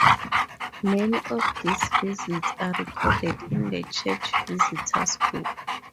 Many of these visits are recorded in the church's visitors' book.